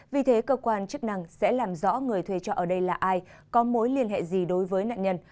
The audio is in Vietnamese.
vì thế cơ quan chức năng sẽ làm rõ người thuê trọ ở đây là ai có mối liên hệ gì đối với nạn nhân